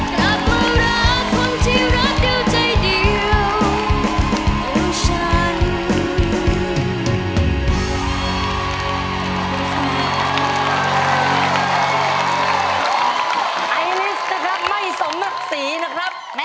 กลับมารักคนที่รักเดียวใจเดียว